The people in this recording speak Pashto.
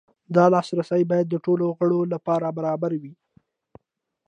دا لاسرسی باید د ټولو غړو لپاره برابر وي.